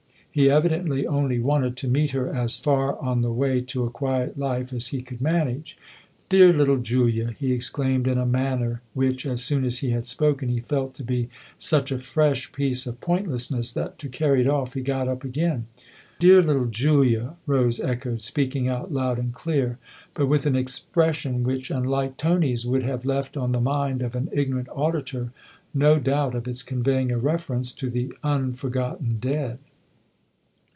He evidently only wanted to meet her as far on the way to a quiet life as he could manage. " Dear little Julia !" he exclaimed in a manner which, as soon as he had spoken, he felt to be such a fresh piece of pointlessness that, to carry it off, he got up again. " Dear little Julia !" Rose echoed, speaking out loud and clear, but with an expression which, unlike Tony's, would have left on the mind of an ignorant auditor no doubt of its conveying a reference to the un forgotten dead.